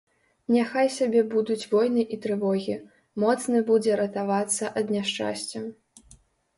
Няхай сабе будуць войны і трывогі, моцны будзе ратавацца ад няшчасця.